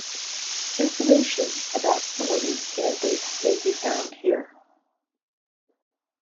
Information about some of these candidates may be found here.